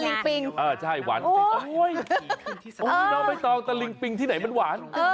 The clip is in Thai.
น้องไม่ต้องตะลิ่งปิงที่ไหนมันหวาน